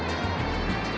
jangan makan aku